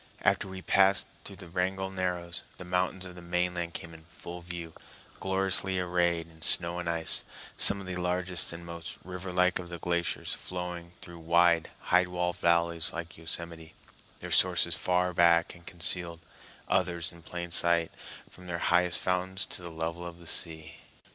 After we had passed through the Wrangell Narrows, the mountains of the mainland came in full view, gloriously arrayed in snow and ice, some of the largest and most river like of the glaciers flowing through wide, high walled valleys like Yosemite, their sources far back and concealed, others in plain sight, from their highest fountains to the level of the sea.